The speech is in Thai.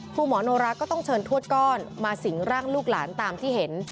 ครูหมอโนราก็ต้องเชิญทวดก้อนมาสิงร่างลูกหลานตามที่เห็น